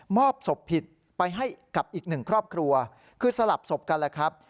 อบศพผิดไปให้กับอีกหนึ่งครอบครัวคือสลับศพกันแหละครับ